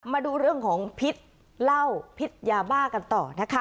มาดูเรื่องของพิษเหล้าพิษยาบ้ากันต่อนะคะ